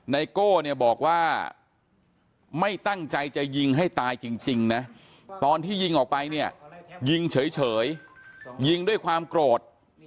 โก้เนี่ยบอกว่าไม่ตั้งใจจะยิงให้ตายจริงนะตอนที่ยิงออกไปเนี่ยยิงเฉยยิงด้วยความโกรธ